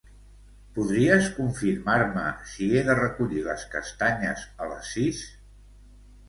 Podries confirmar-me si he de recollir les castanyes a les sis?